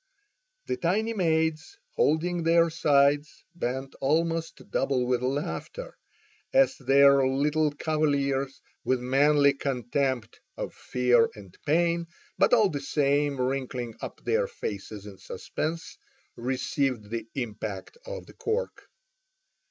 The tiny maids, holding their sides, bent almost double with laughter, as their little cavaliers with manly contempt of fear and pain, but all the same wrinkling up their faces in suspense, received the impact of the cork.